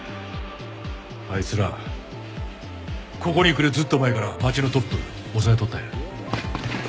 あいつらここに来るずっと前から町のトップを押さえとったんや。